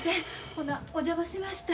ほなお邪魔しました。